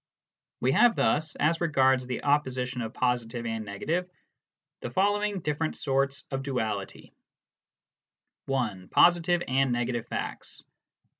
We have thus, as regards the opposition of positive and negative, the following different sorts of duality : (1) Positive and negative facts.